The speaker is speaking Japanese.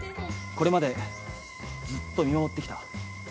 これまでずっと見守ってきた。